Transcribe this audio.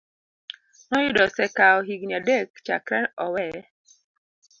noyudo osekawo higini adek chakre oweye.